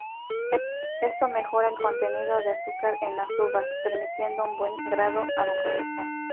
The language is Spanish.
Esto mejora el contenido de azúcar en las uvas, permitiendo un buen grado alcohólico.